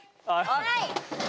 はい。